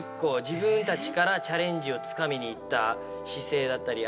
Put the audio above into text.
自分たちからチャレンジをつかみに行った姿勢だったり。